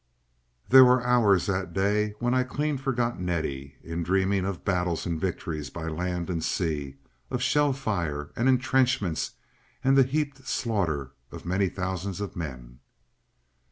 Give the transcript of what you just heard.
... There were hours that day when I clean forgot Nettie, in dreaming of battles and victories by land and sea, of shell fire, and entrenchments, and the heaped slaughter of many thousands of men.